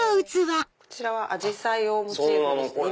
こちらはアジサイをモチーフに。